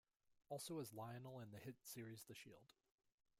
Also as Lionel in the hit series The Shield.